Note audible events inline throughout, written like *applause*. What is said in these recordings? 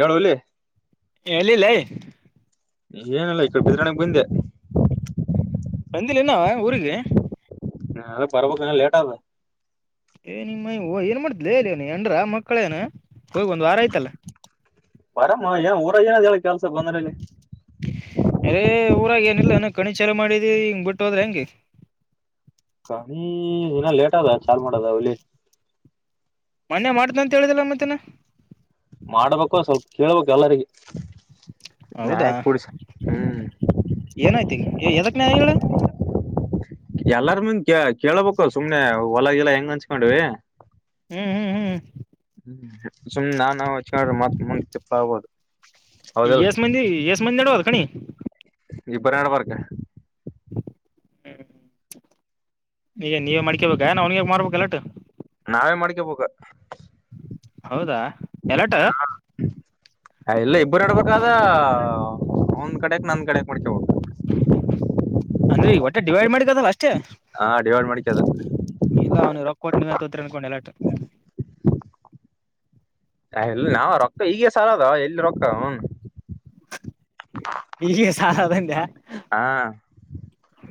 ಹೇಳೋ ಎಲ್ಲಿ *unintelligible* ಎಲ್ಲಿಲೇ ಏನಿಲ್ಲ ಈ ಕಡೆ ಬಿದ್ರಾಣಗ್ ಬಂದೆ ಬಂದಿಲ್ಲ ಇನ್ನು ಊರಿಗಿ ಹಾ, ಅದ್ಕ ಬರ್ಬೇಕು ಲೇಟ್ ಆದಾ- ಏಯ್ ನಿಮ್ಮ ಹೋ ಏನ್ ಮಾಡ್ತಿಲೆ ಲೆ ನಿನಗ ಹೆಂಡ್ರ ಮಕ್ಕಳೇನು ಹೋಗಿ ಒಂದು ವಾರ ಆಯ್ತಲ್ಲಾ. ಬರೋಮೋ ಏನ್ ಊರಗ ಏನ ಆದ ಹೇಳ ಕೆಲ್ಸ ಬಂದ್ರಲ್ಲಿ ಹೇ ಊರಾಗ ಏನಿಲ್ಲೇನು ಕಣಿಚಾರ ಮಾಡಿದಿ ಹಿಂಗ್ ಬಿಟ್ಟ ಹೋದ್ರೆ ಹೆಂಗ್ ಈಗ. ಕಣಿ *unintelligible* ಇನು ಲೇಟ್ ಅದ ಚಾಲ್ ಮಾಡದ ಹುಲಿ ಮನ್ನೆ ಮಾಡತ ಅಂತ ಹೇಳಿದಿಲ್ಲ ಮುತ್ಯನ್ನ ಮಾಡ್ಬೇಕೋ ಸ್ವಲ್ಪ ಕೇಳ್ಬೇಕು ಎಲ್ಲರಿಗೂ ಹೌದಾ! ಹ್ಮ್ ಏನಾಯ್ತ ಈಗ ಹೇಎದಕ್ ನ್ಯಾಯ ಹೇಳು- ಎಲ್ಲಾರ ಮುಂದ ಕೇಳ್ಬೇಕ ಸುಮ್ನೆ ಹೊಲಗಿಲಾ ಹೆಂಗ್ ಅಂಚ್ಕೊಂಡ್ವಿ. - ಹ್ಮ್ ಹ್ಮ್ ಹ್ಮ್ *unintelligible* ಸುಮ್ನ ನಾವ್ ನಾವ್ ಅಚ್ಚಾಡಿದ್ರೆ ಮತ್ತ್ ಮುಂದೆ ಚಿಪ್ಪ ಆಗ್ಬೋದು ಈ ಹೌದಲ್ಲ ಏಸ್ ಮಂದಿ ಏಸ್ ಮಂದಿ ಆದವು ಅವು ಕಣಿ ಇಬ್ಬರ ಅಡ್ಬರ್ಕ್ ಹ್ಮ್ ಈಗ ನೀವೇ ಮಾಡ್ಕಬೇಕಾ ಅವ್ನಿಗೆ ಮಾಡ್ಬೇಕ ಎಲ್ಲ ಇಟ್ಟ ನಾವೇ ಮಾಡ್ಕಬೇಕು ಹೌದಾ... ಎಲ್ಲಟ್ ಹೇ ಇಲ್ಲ ಇಬ್ರು ನಡಬಕ್ ಅದ ಅವಂದ್ ಕಡೆಕ್ ನಂದ ಕಡೆಕ್ ಮಾಡ್ಕೋಬೇಕು ಅಂದ್ರೆ ಈ ಹೊಟ್ಟೆ ಡಿವೈಡ್ ಮಾಡಿದ್ ಅದನ ಅಷ್ಟೇ ಹಾ ಡಿವೈಡ್ ಮಾಡ್ಕ್ಯ ಅದ ಇಲ್ಲ ಅವ್ನಿಗೆ ರೊಕ್ಕ ಕೊಟ್ಟ ನೀವೇ ತಗೋತೀರ ಅನ್ಕೊಂಡು ಎಲ್ಲಾಟ್ ಹೇ ಇಲ್ಲ ನಾವ ರೊಕ್ಕ ಈಗ ಸಾಲ ಅದ ಎಲ್ಲಿ ರೊಕ್ಕ ನೂ ಈಗೆ ಸಾಲಅದದ್ಯಾ ಹಾ......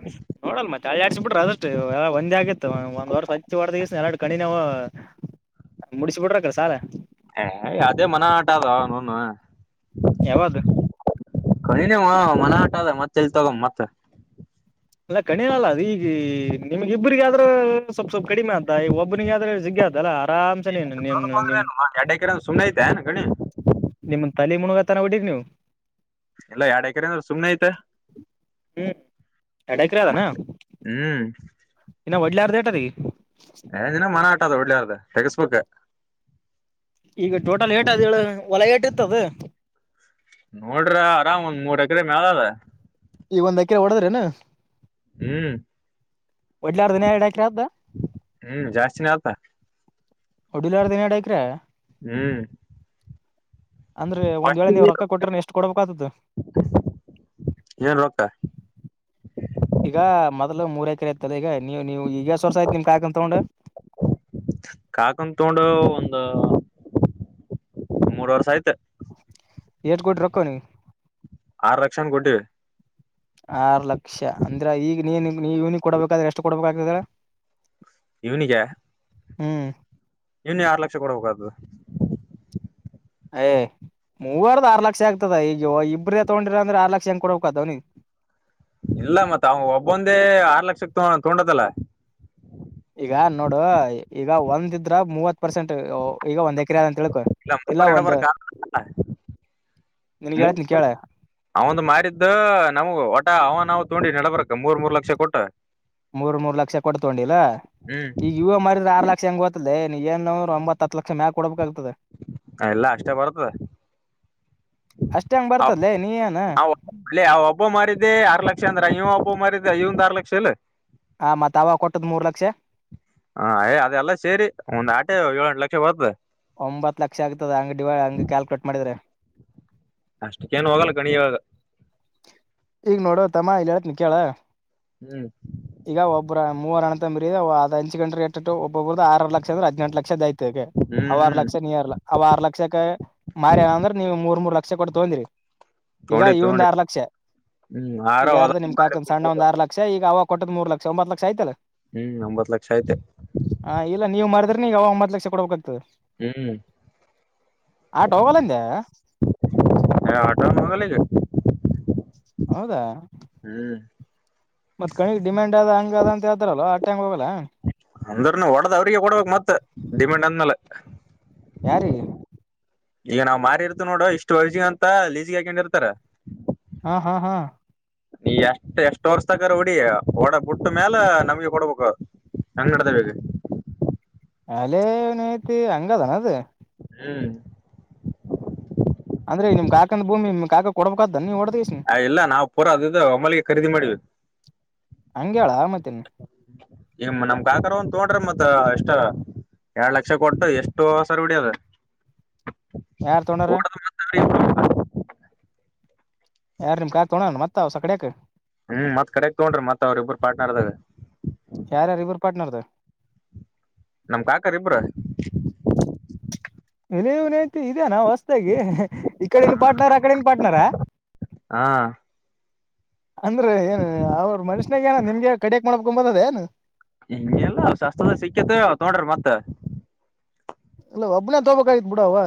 *inaudible* ನೋಡೋನ್ ಮತ್ತೆ ಅಲ್ಲಾಡ್ಬಿಟ್ರೆ ಅದಷ್ಟ ಎ ಒಂದೇ ಆಗಿತ್ತು ಒಂದ್ ವರ್ಷ ಹಚ್ಚಿ ಹೊಡ್ ದಿಸ್ ಎರಡು ಕಣಿನವ *inaudible* ಬಿಡಿಸ ಬಿಡ್ರ ಅಕಾಲ ಸಾಲ ಹೇ ಅದೇ ಮನ ಆಟ ಅದನೂನು ಯಾವದ ಕಣಿನೇ ಮನ ಆಟ ಅದ ಮತ್ತೆ ಎಲ್ಲಿ ತಗೊಮ್ ಮತ್ತ ಇಲ್ಲ ಕಣಿಲಲ್ಲ ಅದ ಈಗ ನಿಮ್ಮ ಇಬ್ರಿಗೆ ಆದ್ರ ಸ್ವಪ್ ಸ್ವಲ್ಪ ಕಡಿಮೆ ಆತ ಈಗ ಒಬ್ನಿಗೆ ಆದ್ರೆ ಜಗ್ಗಿ ಆತನ ಅಲಾ ಅರಮ್ಸೆ ನಿನ್ ನಿಮ್ ಹಡೈಕ ಇಡ ಸುಮ್ನೇ ಇದ್ಯಾ ಗಣಿ ನಿಮ್ನ್ ತಲಿ ಮುಣಗ ತನ ಹೊಡಿರಿ ನೀವು ಇಲ್ಲ ಎರಡ್ ಎಕ್ರೆ ಅಂದ್ರ ಸುಮ್ನೇ ಆಯತ ಎಡಕ್ರ ಅದಾನ ಹ್ಮ್ *inaudible* ಇನ್ನ ಒಡಿಲಾರರ್ದ ಎಟ್ ಆದ ಏ ದಿನ ಮರ ಅಟಇದೆ ಬಿಡ್ಲೆ ಅದ ತೆಗಸಬೇಕ ಈಗ ಟೋಟಲ್ ಏಟ್ ಹೇಳ ಕೊಲಗೆಟ್ಟ ಇತ್ತ ಅದ. ನೋಡ್ರ ಆರಾಮ್ ಒಂದ್ ಮೂರ್ ಎಕರೆ ಮ್ಯಾಲ ಅದ. ಈಗ ಒಂದ್ಕರೆ ಹೊಡದ್ರೇನ ಹ್ಮ್. *unintelligible* ಹ್ಮ್ ಜಾಸ್ತಿನ ಆತಾ. ಉಡಿಲರ್ದಇನ್ ಎರಡ ಐಕ್ರೆ. ಹ್ಮ್. ಅಂದ್ರ ಒಂದ್ ವೇಳೆ ನೀವು ರೊಕ್ಕ ಕೊಟ್ರನ್ ಎಷ್ಟು ಕೊಡಡ್ಬೇಕ ಆತತ *inaudible* ಏನ್ ರೊಕ್ಕ. ಈಗ ಮೊದಲ ಮೂರ್ ಎಕರೆ ಈತ್ತದ ಈಗ ನೀವು ನೀವು ಈಗ ಯೆಸ್ವಸ್ರ್ ಆತಿ ನಿಮ್ ಕಾಕ ಅ ತಗೊಂಡ್. ಕಾಕದ ತೋಗೊಂಡ ಒಂದ ಮೂರ್ ವರ್ಷ ಆಯ್ತ. ಎಟ್ ಕೊಟ್ರ ರೊಕ್ಕ ಅವನಿಗೆ ಆರ ಲಕ್ಷನ ಕೊಟ್ಟಿವಿ. ಆರ್ ಲಕ್ಷ ಅಂದ್ರೆ ಈಗ ನೀನ್ ಇವುನಿಗೆ ಕೊಡ್ಬೇಕಾದ್ರೆ ಎಷ್ಟು ಕೊಡ್ಬೇಕಾಗ್ತದ ಇವನಿಗ್ಯಾ. ಹ್ಮ್. ಇನ್ಯಾ ಆರ್ ಲಕ್ಷ ಕೊಡಬೇಕಾದ್ದು. ಯ್ ಮೂವರ್ದ ಆರ್ ಲಕ್ಷ ಆಗ್ತದ ಈಗ ಇಬ್ರೇ ತಗೊಂಡ್ರ ಅಂದ್ರೆ ಆರ್ ಲಕ್ಷ ಹೆಂಗ ಕೊಡ್ಬಾಕತದ ಅವ್ನಿಗ್. ಇಲ್ಲ ಮತ್ತ ಅವ ಒಬ್ಬೊಂದೇ ಆರ್ ಲಕ್ಷ ತೊಗೊಂಡದಲ್ಲ. ಈಗ ನೋಡು ಈಗ ಒಂದಿದ್ರ ಮೂವತ್ ಪರ್ಸೆಂಟ್ ಈಗ ಒಂದ್ ಎಕ್ರ ಅದೇ ಅಂತ ತಿಳಿಕೋ. ಇಲ್ಲ ಮೂವರೆ. ನಿನ್ಗ್ ಹೇಳ್ತನಿ ಕೇಳ *unintelligible* ಅವಂದ ಮಾರಿದ್ದ ನಮಗ ಒಟ ಅವನವ್ ನಾನು ತಕೊಂಡಿದು ಮೂರ್ ಮೂರ್ ಲಕ್ಷ ಕೊಟ್ಟ. ಮೂರ್ ಮೂರ್ ಲಕ್ಷ ಕೊಟ್ಟ ತೊಂಡಿಲ್ಲಾ ಹ್ಮ್ ಈವಾಗ ಮಾರಿದ್ರೆ ಆರ್ ಲಕ್ಷ ಗೊತ್ತಾಲೆ ನೀ ಏನು ಒಂಬತ್ತು ಹತ್ತು ಲಕ್ಷ ಮ್ಯಗ್ ಕೊಡಬೇಕಾಗ್ತದೆ. ಎಲ್ಲಾ ಅಷ್ಟೇ ಬರ್ತದ. ಅಷ್ಟೇ ಹೆಂಗ್ ಬರ್ತದಲೇ ನೀ ಏನಾ. ಅಲ್ಲಿ ಯಾವ ಒಬ್ಬ ಮಾರಿದ್ದೆ ಆರ್ ಲಕ್ಷ ಅಂದ್ರ ಈಯ್ಯ್ ಒಬ್ಬ ಮಾರಿದ್ದ ಈವೊಂದೂ ಆರ್ ಲಕ್ಷ ಇಲ್. ಹಾ ಮತ್ ಅವಾಗಾ ಕೊಟ್ಟದ್ ಮೂರ್ ಲಕ್ಷ. ಹ ಏ ಅದೆಲ್ಲ ಸೇರಿ ಒಂದ್ ಏಳೆಂಟು ಲಕ್ಷ ಒಯ್ತ್. ಒಂಬತ್ತ್ತು ಲಕ್ಷ ಆಗ್ತದ ಹಂಗ್ ಡಿವೈ ಹಂಗ್ ಕ್ಯಾಲ್ಕುಲೇಟ್ ಮಾಡಿದ್ರೆ.. ಅಷ್ಟು ಏನ್ ಹೋಗಲ್ಲ ಗಣಿ ಇವಾಗ.. ಈಗ ನೋಡೋ ತಮ್ಮಾ ಹೇಳದ್ ಕೇಳ. ಹ್ಮ್ ಈಗ ಒಬ್ಬ್ರ ಮೂವರ ಅಣ್ಣ ತಮ್ಮಾರಿ ಅದು ಹಂಚಿಗಂಡ್ರ ಎಟ್ಟು ಎಟ್ಟುಒಬ್ಬೊಬ್ರ ಆರ್ ಅರ್ ಲಕ್ಷ. ಅದ್ರ್ಯ್ ಹದಿನಿಂಟು ಲಕ್ಷದ ಐತೆಗ್ ಹ್ಮ್ ಅವ ಆರ್ ಹ್ಮ್ ಲಕ್ಷ ನೀ ಆರ್. ಅವ್ ಆರ್ ಲಕ್ಷಕ್ಕ ಮಾರನನಂದ್ರ ನೀವು ಮೂರ್ ಮೂರ್ ಲಕ್ಷ ಕೊಟ್ಟ ತೊಂದ್ರಿ.. ಈಗ ತೊಂಡಿ ಈವದು ತೊಂಡಿ ಆರ್ ಲಕ್ಷ. ಹ್ಮ್ ಆರ ಈಗ ಹ್ಮ್ ಯಾರ್ದು ನಿಮ್ ಕಾಕಂದ ಸಣ್ಣದು ಒಂದ ಆರು ಲಕ್ಷ ಈಗ ಅವಾಗ ಕೊಟ್ಟದ್ ಮೂರು ಲಕ್ಷ ಒಂಬತ್ತು ಲಕ್ಷ ಆಯತಲ್ಲ.. ಹ್ಮ್ ಒಂಬತ್ ಲಕ್ಷ ಐತೆ. ಹಾ ಇಲ್ಲ ನೀವು ಮಾರದ್ರೆ ನೀಗ ಅವಾಗ ಒಂಬತ್ತ ಲಕ್ಷ ಕೊಡ್ಬೇಕಕ್ಗ್ತದ. ಹ್ಮ್ ಆಟ ಹ್ಮ್ ಹೋಗಲ್ಲಂದೆ ಹ ಅಟಾವ.. *unintelligible* ಹೌದಾ ಹ್ಮ್ ಮತ್ ಕೈಗ್ ಡಿಮ್ಯಾಂಡ್ ಅದ ಹಂಗ ಅದ ಅಂತ ಹೇಳತಾರಲ್ಲೊ ಆ ಟಂಗ್ ಹೋಗಲ್ಲ. ಅಂದ್ರನು ಹೊಡದ ಅವ್ರಿಗೆ ಕೊಡ್ಬೇಕಕ್ ಮತ್ ಡಿಮ್ಯಾಂಡ್ ಅಂದ್ಮೇಲೆ. ಯಾರಿಗೆ. ಈಗ ನಾವ್ ಮಾರಿ ಇರ್ತವಿ ನೋಡು ಇಷ್ಟು ವಯಸಗ ಅಂತ ಲೀಜಿಗೆ ಹಾಕೊಂಡಿರ್ತಾರ. ಹಾ ಹಾ ಹಾ ನೀ ಎಷ್ಟ್ ಎಷ್ಟ್ ವರ್ಷಗರು ಬಿಡಿ ಬಿಟ್ಟ ಮ್ಯಾಲ ನಮಗೆ ಕೊಡ್ಬೇಕ. *unintelligible* ಅಲೆೇನೈತಿ ಹಂಗದಾನ ಅದು. ಹ್ಮ್ ಅಂದ್ರೆ ನಿಮ್ಮ ಕಾಕಂದುಭೂಮಿ ನಿಮ್ಮ ಕಾಕನಿಗೆ ಕೊಡಬೇಕೇನು ಆ ಇಲ್ಲ ನಾವು ಪೂರ ಅದು ಒಮ್ಮೆಳಿಗೆ ಖರೀದಿ ಮಾಡಿದೇವು. ಹಂಗೇಳ ಮತ್ತೇನ್ ನಮ್ಮ ಕಾಕರ ಒಂದ ತಕೊಂಡರ ಮತ್ ಎಷ್ಟ. ಎರಡು ಲಕ್ಷ ಕೊಟ್ಟು ಎಷ್ಟು ಸರಿ ಬಿಡಿಯೋದು. ಯಾರ್ ತಕೊಂಡರ. ಯಾರು ನಿಮ್ ಕಾ ತಗೋಣ ಮತ್ತ ಹೊಸಕಡಿಯಕ. ಹ್ಮ್ ಮತ್ ಕಡೆ ತಗೊಂಡ್ರಿ ಮತ್ ಅವ್ರರಿಬ್ರು ಪ್ಯಾಟರ್ನ್ ಆದರ. ಯಾರೇ ಇಬ್ಬರು ಪ್ಯಾಟರ್ನ್ಲೆ. ನಮ್ಮ ಕಾಕಾರ ಇಬ್ರ. ಅಲೆ ನೀವನೈತಿ ಇದೆನ ಹೊಸ್ತಾಗಿ ಇಕಡೆನು ಪಾರ್ಟ್ನರ್ ಆಕಡೆನು ಪಾರ್ಟನರ. ಆ ಅಂದ್ರ ಏನ ಅವರ ಮನುಷ್ಯನಾಗ ಏನ ನಿಮಗೆ ಕಡಿಯಕ್ ಮಾಡ್ಕೊ ಬಂದದ ಏನ. ಎ ಇಲ್ಲಾ ಶಾಸ್ತ್ರದ ಸಿಕ್ಕೇತ್ ತೊಂಡ್ರಿ ಮತ್ತ. ಇಲ್ಲ ಒಬ್ಬನ ತಗೋಬೇಕಾಗಿತ್ ಬಿಡ ಅವಾ.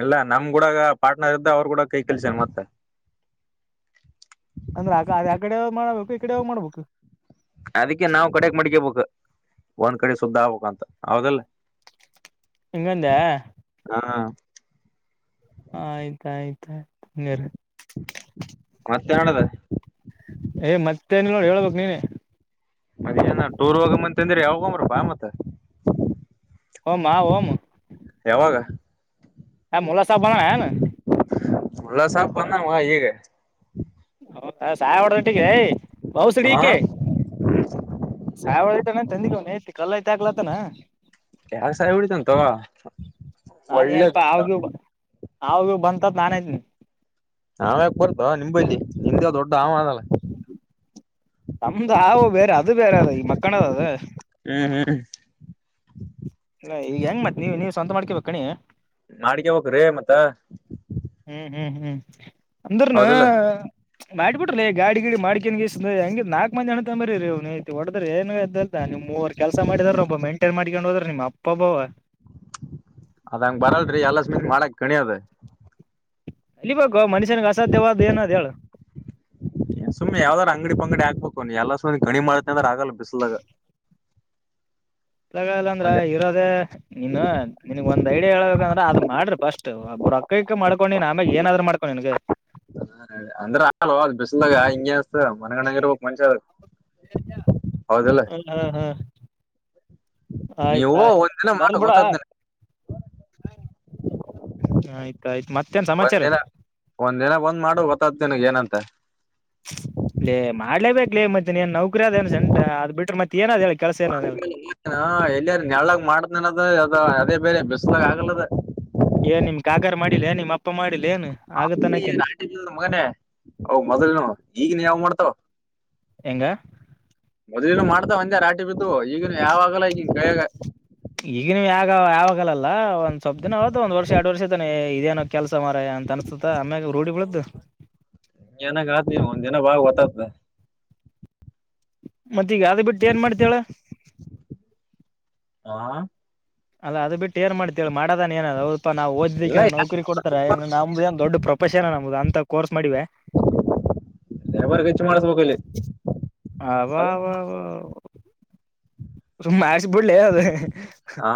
ಇಲ್ಲಾ ನಮ್ಮ ಕೂಡಗ ಪಾರ್ಟನರ್ ಇದ್ದಾ ಅವರ ಕೂಡ ಕೈ ಕಲ್ಸೇನ್ ಮತ್ತ. ಅಂದ್ರ ಅ ಅದ ಅಕಡೆ ಯಾವಾಗ ಮಾಡಬೇಕು ಈ ಕಡೆ ಯಾವಾಗ ಮಾಡ್ಬೇಕ. ಅದಕ್ಕೆ ನಾವು ಕಡೆಕ ಮಡಿಗೇಬೇಕು ಒಂದ್ ಕಡೆ ಸುದ್ದ ಆಗ್ಬೇಕಕ್ಂತ ಹೌದಲ್ಲ. ಹಿಂಗಂದ್ಯಾ. ಹಾ ಆಯ್ತ ಆಯ್ತ ಆಯ್ತ ಹಂಗೇರ ಮತ್ತೆ ನಡದ. ಏ ಮತ್ತೇನ ನೋಡ ಹೇಳ್ಬೇಕ್ ನೀನೆ. ಅದೇನ ಟೂರ್ ಹೋಗಮ್ಮ ಅಂತಂದ್ರ ಯಾವಾಗ ಗೊಗೋರ ಬಾ ಮತ್ತ. ಹೊಮಾ ಹೋಮ್. ಯಾವಾಗ. ಹಾ ಮೊಲಾ ಸಾಬ ಬಂದಾ ಏನ. ಮುಲ್ಲಾ ಸಾಬ್ ಬಂದಾನ ಬಾ ಇಗ. ಹೌದಾ ಸಾಯಿಹೋದಡಿಟ್ಟಿಲೇ ಹ ಬೌಸಡಿಕ್ಕೆ. ಸಾವಿಹೊಡಿತಾನ ತಂದಿನವನ ಐತಿ ಕಲ್ಲಾ ಐತ ಆಗ್ಕ್ಲತ್ತತನ. ಯಾರ ಸಾಯಿಹೊಡೀತಾನಾತೋ ಒಳ್ಳೆ ಘಟ್ಟಾ. ಹಾವು ಗಿವು ಬಂತಂದ ನಾನೆ ಇದೀನಿ. ಹಾವ್ಯಾಕ ಬರ್ತ ನಿಮಂಬಲ್ಲಿ ನಿಮ್ದ ದೊಡ್ಡ ಹಾವ ಅದಲ್ಲ. ನಮ್ದು ಹಾವು ಬೇರೆ ಅದು ಬೇರೆ ಅದ ಈ ಮಕ್ಕನದ ಅದ. ಹು ಹು ಇನ್ನು ಈಗ ಹೆಂಗ ಮತ್ತ ನೀವ ನೀವ್ವಂತ ಮಾಡ್ಕೇಬೇಕ ಕಣಿ. ಮಾಡ್ಕೊಬೇಕರಿ ಮತ್ತ. ಹು ಹು ಹು ಅಂದ್ರನ. ಹೌದಿಲ್ಲ ಮಾಡ್ಬಿಟ್ರಲ್ಲೆ ಗಾಡಿ ಗಿಡಿ ಮಾಡ್ಕನಗೀಸ್ ನಾಕ್ ಮಂದಿ ಅಣ್ಣತಮ್ಮ್ನದಿರಿದಿರಿ ಐತಿ ಹೊಡದ್ರ ಏನ್ದಲ್. ನಿಮ್ಮ ಮೂವರು ಕೆಲಸಾ ಮಾಡಿದ್ರ ಒಬ್ಬ ಮೇಂಟೈನ್ ಮಾಡಕೊಂಡಹೂದ್ರ ನಿಮ್ಮ ಅಪ್ಪಬ್ಬವ್ವ. ಅದಂಗ ಬರಲ್ರಿ ಎಲ್ಲ ಸ್ಮಿತ್ ಮಾಡಕ್ ಕಣಿಅದ. ಕಲಿ ಬೇಕೋ ಮನುಷ್ಯನಿಗೆ ಅಸಾಧ್ಯವಾದ ಏನದ ಹೇಳು. ಎ ಸುಮ್ಮನೆ ಯಾವ್ದಾರ್ ಅಂಗಡಿ ಪಂಗಡಿ ಹಾಕ್ಬೇಕು ನೀ ಎಲ್ಲಾ ಸುಮ್ಮನೆ ಗಣಿ ಮಾಡ್ತ ಅಂದ್ರ ಆಗಲ್ಲ ಬಿಸ್ಲಾಗ. ಜಾಗಾ ಇಲ್ಲಾಂದ್ರ ಒಂದ ಇರೋದೇ. ನೀನು ನಿನಗ ಒಂದ ಐಡಿಯಾ ಹೇಳಳ್ಬೇಕಂದ್ರ ಅದ ಮಾಡ್ರಿ ಫಸ್ಟ್ ಒಬ್ರ ರೊಕ್ಕಗಿಕ್ಕ ಮಾಡ್ಕೊಂಡೇನ ಆಮೇಗ ಏನಾದ್ರು ಮಾಡ. ನನಗ. ಅಂದ್ರ ಆಗಲೋ ಅದ ಬಿಸಲದಾಗ ಹಿಂಗೆ. ಮನಗಂಡಾಗ ಇರ್ಬೇಕ ಮನುಷ್ಯ ಅದು ಹೌದಿಲ್ಲ. ಹ ಹ ಆಯ್ತ ನೀವು ಆಯ್ತ ಒಂದ್ ದಿನ ಮಾಡ ಬರ್ಲ್ ಬಿಡ ಗೊತ್ತಾದ್ ಎ. ನಿನಗ್ ಆಯ್ತ ಆಯ್ತ ಮತ್ತೇನ್ ಸಮಾಚಾರ. ಒಂದ್ ದಿನ ಒಂದ್ ಮಾಡ ಗೊತ್ತಾತ ನಿನಗ ಏನಂತ. ಲೇ ಮಾಡ್ಲೇಬೇಕ್ಲೇ ಮತ್ತೆ ನೀ ನೌಕರಿ ಅದೇಏನ್ ಸೆಂಟ್ ಅದ್ ಬಿಟ್ರೆ ಮತ್ತೆನದ ಹೇಳ ಕೆಲಸ ಏನದ ಹೇಳ. ಹ ಎಲ್ಲಿಯಾರ ನಳ್ಳಾಗ ಮಾಡ್ತೇನೆನ್ನೋದ ಅದ ಅದೇ ಬೇರೆ ಬಿಸ್ಲಾಗ ಆಗಲ್ಲ ಅದ. ಏ ನಿಮ್ಮ ಕಾಕರ ಮಾಡಿಲ್ಲ ನಿಮ್ಮಪ್ಪ. ಊಟ ಮಾಡಿಲ್ಲೇನ್ ಮಗನೆೇ ಅವ ಮೊದಲನೇವ ಈಗನ್ಯಾವ್ ಯಾವ್ ಮಾಡ್ತವ್ ಹೆಂಗ ಮೊದ್ಲನೆವ್ ಮಾಡ್ತಾವ್ ಅಂದೆ ರಾಟಿ ಬಿದ್ದವ ಈಗೆನವ ಯಾವಾಗಲ್ಲ ಈಗಿನ್ ಕೈಯಾಗ ಈಗಿನವ ಯಾಗ ಯಾವ ಯಾವಾಗಲ್ಲ ಅಲ್ಲ ಒಂದ ಸ್ವಪ್ ದಿನ ಹೊತ ಒಂದ್ ವರ್ಷ ಎರಡ್ ವರ್ಷ ತೆ ಇದೇನ್ ಕೆಲ ಸ ಮಾರಾಯ ಅಂತ ಅನ್ಸತ್ತತ ಆಮ್ಯಾಗ ರೂಢಿ ಬಿಳ್ತೂತ ಏನಾಗ ಆತ ಒಂದ್ ಜನ ಬಾ ಗೊತ್ತತ್ತಂ ಮತ್ತಿ ಈಗ ಅದ್ ಬಿಟ್ಟು ಏನ್ ಮಾಡ್ತೇಳ್ ಹಾ ಅಲ್ಲ ಅದು ಬಿಟ್ಟ ಏನೂ ಮಾಡತಿ ಹೇಳು ಮಾಡದನ ಏನೂ ಅದು ಹೌದ್ ಪಾ ನಾ ಓದಿ ಇದಕ್ಕೆ ಎಲ್ಲ ನೌಕರಿ ಕೊಡ್ತಾರೆ ನಮ್ದು ಏನ್ ದೊಡ್ ಪ್ರೊಫೆಷನ್ ನಮ್ದು ಅಂತ ಕೋರ್ಸ್ ಮಾಡಿವೆ. ಯಾವಾರ ಹೆಚ್ಚು ಮಾಡಸ್ಬೇಕು ಇಲ್ಲಿ. ಅ ವಾ ವ ವಾ ಸುಮ್ನೆ ಮಾಡಾಸಿ ಬುಡ್ ಲೇ ಅದೇ ಹ ಹ ಹಾ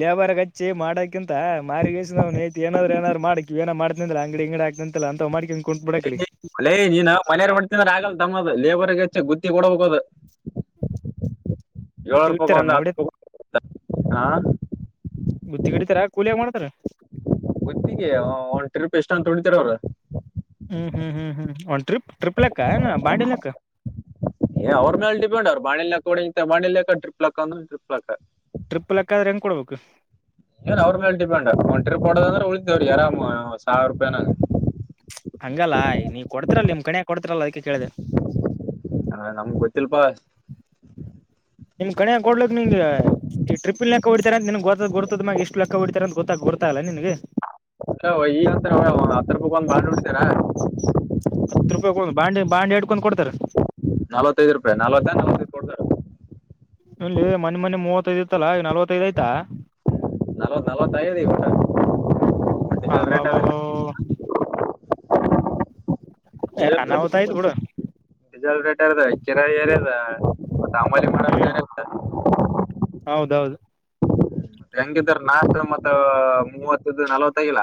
ಲೇಬರ್ ಗೆ ಹಚ್ಚಿ ಮಾಡಕಿಂತ ಮಾರ್ಗೀಸನೌನ ಹೆಂಡ್ತಿ ಏನಾದರೂ ಏನಾದ್ರೂ ಮಾಡಕಿ ಏನಾರ ಮಾಡದನಂದ್ರೆ ಅಂಗಡಿ ಗಿಂಗಡಿ ಹಾಕ್ ಲ್ಲ ಅಂತ ಮಾಡ್ಕೊಂಡು ಕುಂತ ಬಿಡಕ್ ಹೇಳಿ ಲೇ ನೀನ್ ಮನೆಯಾರ್ ಮಾಡ್ತನಂದ್ರ ಆಗಲ್ ತಮ್ಮದ್ ಲೇಬರ್ಗೆಚ್ಚ ಗುತ್ತಿ ಕೊಡಬೇಕು ಅದು ಏಳ ರೂಪಾಕ್ ತಿಗಿತಾರ ಒಂದು ಹತ್ತು ನೋಡಿ ರೂಪಾಯಿಕ್ ಒಂದ್ ಹಾ ಗುತ್ತಿ ಗಿಡಿತಾರಾ ಕೂಲಿಯಾರ್ ಮಾಡ್ತಾರ. ಗೂತ್ತಿಗೆ ಒನ್ ಟ್ರಿಪ್ ಎಷ್ಟ ಅಂತ ಹೊಡಿತಾರ ಅವರು ಹ್ಮ್ ಹ್ಮ್ ಹ್ಮ್ ಹ್ಮ್ ಓನ್ ಟ್ರಿಪ್ ಟ್ರಿಪ್ ಲೆಕ್ಕ ಏನ ಬಾಡಿ ಲೆಕ್ಕ. ಏನ್ ಅವ್ರ ಮ್ಯಾಲ ಡಿಟಟ್ಟಪೆಂಡ್ ಅವರು ಬಾಣಿಲೆಕ್ಕ ಅಂದ್ರ ಬಾಣಿಲೆಕ್ಕ ಟ್ರಿಪ್ಪ್ಲ ಲೆಕ್ಕ ಅಂದ್ರ ಟ್ರಿಪ್ಪ್ ಲೆಕ್ಕ ಟ್ರಿಪ್ ಲೆಕ್ಕ ಅಂದ್ರೆ ಹೆಂಗ್ ಕೊಡ್ಬೇಕು. ಏನ್ ಅವರು ಮೇಲೆ ಡಿಪೆಂಡ್ ಓನ್ ಟ್ರಿಪ್ ಹೊಡೋದು ಅಂದ್ರೆ ಉಳಿತಿ ಅವರಿಗೆ ಅರಾಮ ಒಂದು ಸಾವಿರ ರೂಪಾಯಿ ಏನೋ ಹಂಗಲ್ಲ ನೀ ಕೊಡ್ತಿರಲ್ಲ ನಿಮ್ಮ ಕಡೆ ಕೊಡ್ತಿರಲ್ಲ ಅದಕ್ಕೆ ಕೇಳದೆೆ. ಹಾ ನಮಗೆ ಗೊತ್ತಿಲ್ ಪ್ಪ ನಿಮ್ಮ ಕಡೆ ಕೊಡ್ಲಕ್ ನಿಂಗೆ ಈ ಟ್ರಿಪ್ ಲೆಕ್ಕ ಹೊಡ್ತಾರೆ ಅ ನಿನಗ್ ಗೊತ್ತದ ಗೊತ್ತದ ಮ್ಯಾಗ ಇಷ್ಟ ಲೆಕ್ಕ ಹೊಡಿತಾರ್ ಅಂತ ಗೊತ್ತ ಗುರ್ತಾಗಲ್ ನಿನಗೆ ಹ ಈ ಅಂತ ಅವ ಹತ್ತು ರೂಪಾಯಿಗೆ ಒಂದ್ ಬಾಳ ನೋಡತ್ತಾರ. ಹತ್ ರೂಪಾಯಿಗ್ ಒಂದ್ ಬಾಡ್ಲಿ ಬಾಡ್ ಹಿಡ್ಕೊಂಡ್ ಕೊ ಕೊಡತಾರೆ ನಲವತ್ತೈದು ರೂಪಾಯಿ ನಲವತ್ತ ನಲವತ್ತೈದು ಕೊಡ್ತಾರ ಇಲ್ಲಿ ಮೊನಿ ಮೊನಿ ಮೂವತ್ತೈದ್ ಇತ್ತಲ್ಲಾ ಈಗ ನಲವತ್ತೈದು ಐಯ್ತಾ. ನಲವತ್ ನಲವತ್ತು ಆಗದೆ ಇವಾಗ ಹಬ ಹಬ ಹಬ ಹಬ ಏ ಅನಾಹುತ ಐತ್ ಬುಡ್ ಡಿಸೇಲ್ ರೇಟ್ ಕಿರೆ ಎರಿ ಅದ ವಟ್ ಹಮಾಲಿ ಮಾಡಾಕ ಹೌದು ಹೌದು ಹೆಂಗಿದ್ರೆ ನಾಲ್ಕು ಮತ್ತು ಮೂವತ್ತಿದ್ದು ನಲ್ವತ್ತು ಆಗಿಲ್ಲ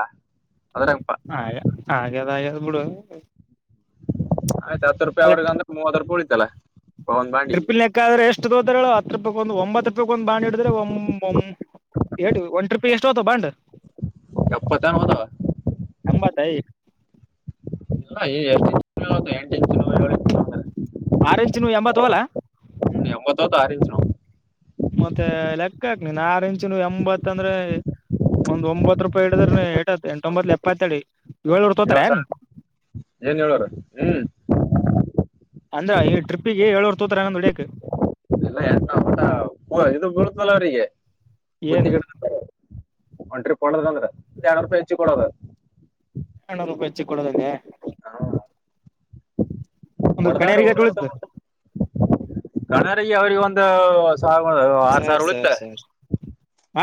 ಅದ್ರಂಗಪ ಆ ಹಾಗೆದ್ ಹಾಗೆದ್ ಬುಡು ಆಯ್ತು ಹತ್ತು ರೂಪಾಯಿ ಅವರಿಗೆ ಅಂದ್ರೆ ಮೂವತ್ತು ರೂಪಾಯಿ ಉಳಿತಲ್ಲ. ಒಂದ್ ಬಾಂಡಿಗೆ ಟ್ರಿಪನಿ ಲೆಕ್ಕ ಆದ್ರೆ ಎಷ್ಟು ತೊಗೊತ್ತಾರೆ ಹೇಳ್ ಹತ್ತು ರೂಪಾಯಿಗ್ ಒಂದು ಒಂಬತ್ತು ರೂಪಾಯಿಕ್ ಒಂದು ಬಾಂಡ್ ಹಿಡಿದ್ರೆ ಒಂ ಒಂ ಎಟೂ ಒನ್ ಟ್ರಿಪಿಗೆ ಎಷ್ಟೋತೊವ್ ಬಾಂಡ್ ಎಪ್ಪತ್ತೇನೋ ಹೋತ್ತವ. ಎಂಬತಾಯ್ ಎ ಎಂಟ *unintelligible* ಆರೆಂಜ್ ಚಿನ್ನು ಎಂಬತೋಲಾ ಎಂಬತ್ತೂ ತಾರಿಂಚೋ ಮತ್ತೆ ಲೆಕ್ಕಾಕ್ ನೀನ್ ಆರೆಂಜ್ ಚಿನ್ನು ಎಂಬತ್ತ್ ಅಂದ್ರೆ ಒಂದ್ ಒಂಬತ್ತು ರೂಪಾಯಿ ಹಿಡಿದ್ರೆ ನಿ ಎಟಾತ್ ಎಂಟೊಂಬತ್ಲೇ ಎಪ್ಪತ್ತ್ ಅಡಿ ಹೇಳ್ ಸ ಏನ್ ಹೇಳಾರ ಹ್ಮ್ ಅಂದ್ರ ಈ ಟ್ರಿಪ್ಪಿಗೆ ಏಳೊರ್ ತುತ್ರಗೂಂಡು ಹೊಡಿಯಕ್ಕ ಇಲ್ಲ ಎಂತ ಉಂಟಾ ಇದು ಬೀಳ್ತಲ್ಲರಿಗೆ ಗುತ್ತಿ ಏನು ಕಡೆ ಒನ್ ಟ್ರಿಪ್ಪ್ ಹೂಡದ ಅಂದ್ರೆ ಯರೂಪಿ ಹೆಚ್ಚಿ ಕೊಡೋದ ಎಣೂರುೂಪಾಯಿ ಹೆಚ್ಚಿ ಕೊಡದೆಂಗೆ ಹಾ ಒಂದು ಹೊಡದಾಡು ಕಣ್ಯಾರಿಗೆ ಎಷ್ಟು ಹೊಡದ ಉಳಿತು ಕಣಗ ಅವ್ರಿಗೆ ಒಂದು ಆರು ಸಾವರ ಸರ್ ಸರ್ ಉಳಿತೆ ಸರ್ ಹಾ